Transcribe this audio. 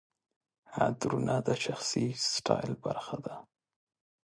عطرونه د شخصي سټایل برخه ده.